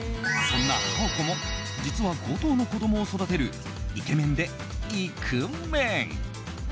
そんなハオコも実は５頭の子供を育てるイケメンでイクメン。